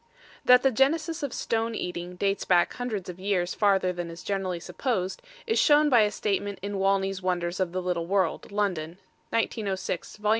That the genesis of stone eating dates back hundreds of years farther than is generally supposed, is shown by a statement in Wanley's Wonders of the Little World, London, 1906, Vol.